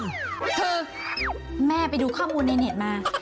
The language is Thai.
คือแม่ไปดูข้อมูลในเน็ตมา